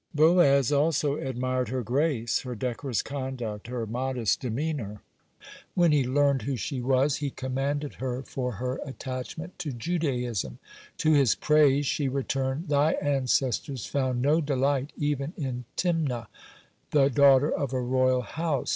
(50) Boaz also admired her grace, her decorous conduct, her modest demeanor. (51) When he learned who she was, he commended her for her attachment to Judaism. To his praise she returned: "Thy ancestors found no delight even in Timna, (52) the daughter of a royal house.